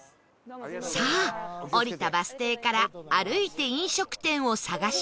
さあ降りたバス停から歩いて飲食店を探しましょう